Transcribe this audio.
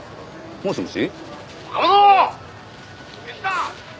もしもし！」